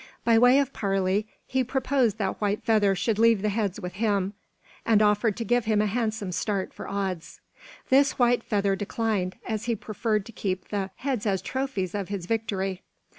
By way of parley, he proposed that White Feather should leave the heads with him, and offered to give him a handsome start for odds. This White Feather declined, as he preferred to keep the heads as trophies of his victory.